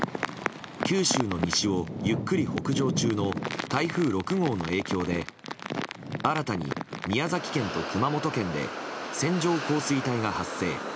九州の西をゆっくり北上中の台風６号の影響で新たに宮崎県と熊本県で線状降水帯が発生。